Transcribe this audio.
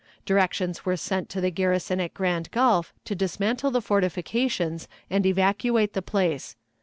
Directions were sent to the garrison at Grand Gulf to dismantle the fortifications and evacuate the place.